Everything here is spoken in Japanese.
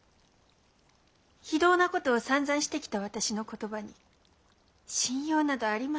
非道なことをさんざんしてきた私の言葉に信用などありますまい。